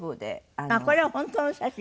これは本当の写真？